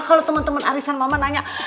kalau temen temen arisan mama nanya